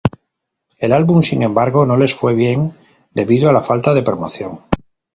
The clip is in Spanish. El álbum sin embargo, no les fue bien, debido a la falta de promoción.